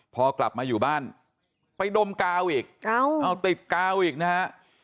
พอกลับมาอยู่บ้านไปดมกาวอีกเอาติดกาวอีกนะฮะ